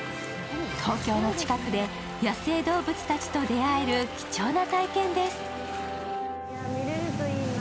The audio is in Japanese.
東京の近くで野生動物たちと出会える貴重な体験です。